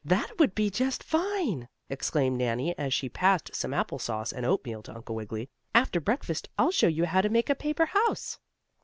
"That would be just fine!" exclaimed Nannie, as she passed some apple sauce and oatmeal to Uncle Wiggily. "After breakfast I'll show you how to make a paper house."